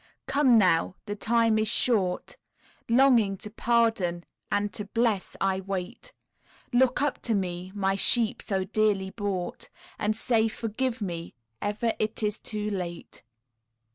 Come now the time is short, Longing to pardon and to bless, I wait; Look up to Me, My sheep so dearly bought, And say, "forgive me, e'er it is too late."